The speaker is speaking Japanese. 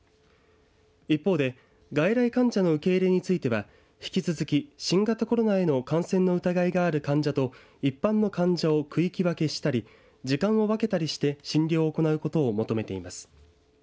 一方で外来患者の受け入れについては引き続き新型コロナへの感染の疑いがある患者と一般の患者を区域分けしたり時間を分けたりして診療を行うことを求めています。